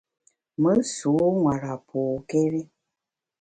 Me sû nwara pôkéri.